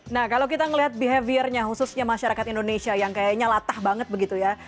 nah kalau kita melihat behaviornya khususnya masyarakat indonesia yang kayaknya latah banget begitu ya